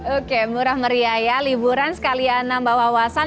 oke murah meriah ya liburan sekalian nambah wawasan